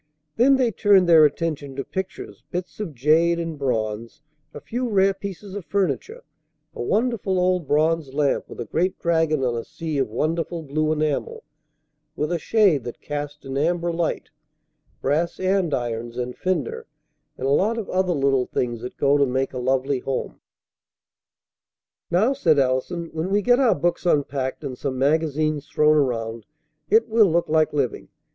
Then they turned their attention to pictures, bits of jade and bronze, a few rare pieces of furniture, a wonderful old bronze lamp with a great dragon on a sea of wonderful blue enamel, with a shade that cast an amber light; brass andirons and fender, and a lot of other little things that go to make a lovely home. "Now," said Allison, "when we get our books unpacked, and some magazines thrown around, it will look like living.